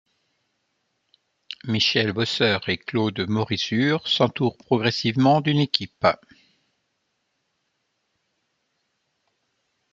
Michèle Bosseur et Claude Morizur s’entourent progressivement d’une équipe.